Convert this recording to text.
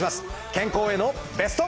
健康へのベスト。